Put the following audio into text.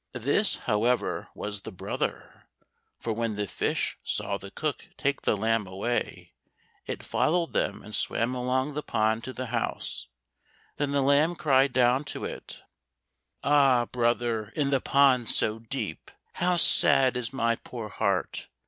This, however, was the brother, for when the fish saw the cook take the lamb away, it followed them and swam along the pond to the house; then the lamb cried down to it, "Ah, brother, in the pond so deep, How sad is my poor heart!